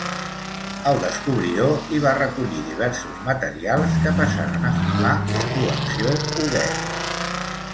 El descobridor hi va recollir diversos materials que passaren a formar la col·lecció Huguet.